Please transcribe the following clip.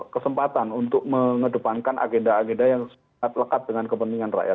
kesempatan untuk mengedepankan agenda agenda yang sangat lekat dengan kepentingan rakyat